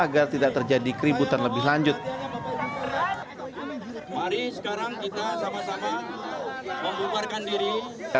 mari sekarang kita sama sama membuarkan diri